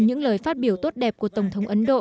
những lời phát biểu tốt đẹp của tổng thống ấn độ